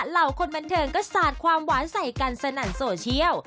เหล่าคนบันเทิงก็สาดความหวานใส่กันสนั่นโซเชียล